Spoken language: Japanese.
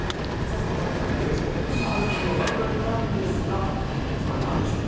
そんな武さんにレース後あるものが贈られたんですがズバリ何でしょう？